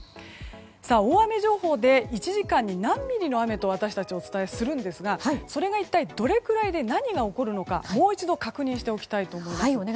大雨情報で１時間に何ミリの雨と私たちはお伝えするんですがそれが一体どのぐらいで何が起こるのか、もう一度確認しておきたいと思います。